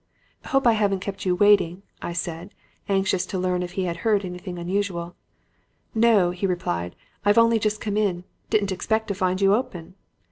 "'Hope I haven't kept you waiting,' I said, anxious to learn if he had heard anything unusual. "'No,' he replied, 'I've only just come in. Didn't expect to find you open.'